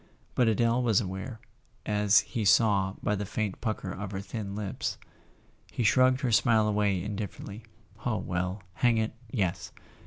But Adele was aware, as he saw by the faint pucker of her thin lips. He shrugged her smile away indifferently. "Oh, well—hang it, yes!